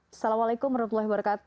assalamualaikum wr wb